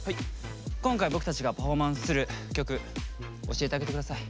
今回僕たちがパフォーマンスする曲教えてあげて下さい。